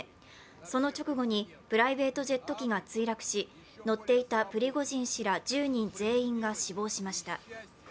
その直後にプライベートジェット機が墜落し乗っていたプリゴジン氏ら１０人全員が死亡しました。